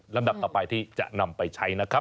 ดับต่อไปที่จะนำไปใช้นะครับ